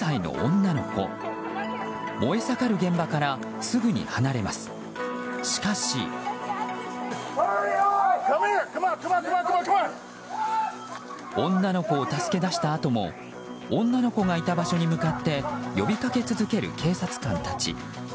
女の子を助け出したあとも女の子がいた場所に向かって呼びかけ続ける警察官たち。